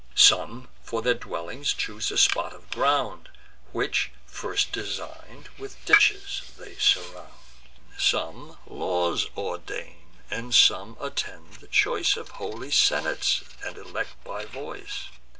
Some for their dwellings choose a spot of ground, Which, first design'd, with ditches they surround. Some laws ordain; and some attend the choice Of holy senates, and elect by voice.